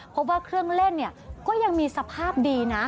พบว่าเครื่องเล่นก็ยังมีสภาพดีนะ